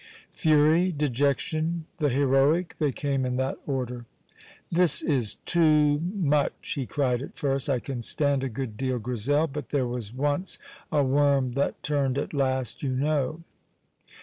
Fury. Dejection. The heroic. They came in that order. "This is too much!" he cried at first, "I can stand a good deal, Grizel, but there was once a worm that turned at last, you know.